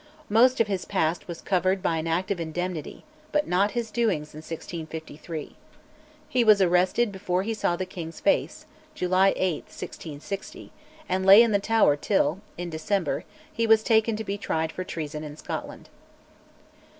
Most of his past was covered by an Act of Indemnity, but not his doings in 1653. He was arrested before he saw the king's face (July 8, 1660), and lay in the Tower till, in December, he was taken to be tried for treason in Scotland.